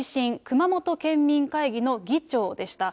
熊本県民会議の議長でした。